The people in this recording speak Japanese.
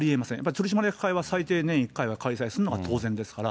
取締役は最低年１回は開催するのが当然ですから。